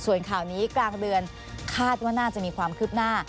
ส่วนข่าวนี้กลางเดือนคาดว่าน่าจะมีความคืบหน้า